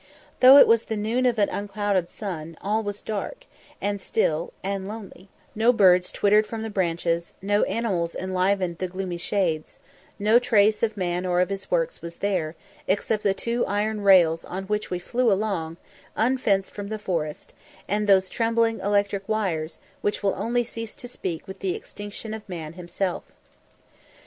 Though it was the noon of an unclouded sun, all was dark, and still, and lonely; no birds twittered from the branches; no animals enlivened the gloomy shades; no trace of man or of his works was there, except the two iron rails on which we flew along, unfenced from the forest, and those trembling electric wires, which will only cease to speak with the extinction of man himself.